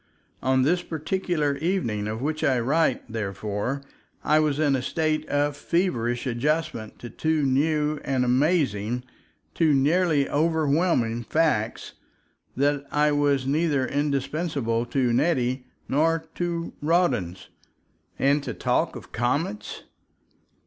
On this particular evening of which I write, therefore, I was in a state of feverish adjustment to two new and amazing, two nearly overwhelming facts, that I was neither indispensable to Nettie nor at Rawdon's. And to talk of comets!